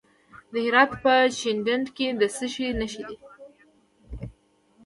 د هرات په شینډنډ کې د څه شي نښې دي؟